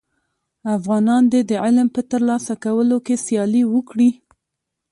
افغانان دي د علم په تر لاسه کولو کي سیالي وکړي.